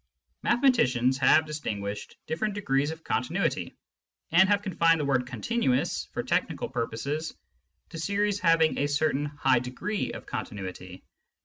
Mathematicians have distinguished different degrees of continuity, and have confined the word " continuous," for technical purposes; to series having a certain high degree of continuity.